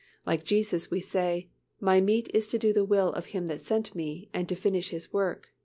(Like Jesus we say, "My meat is to do the will of Him that sent Me, and to finish His work."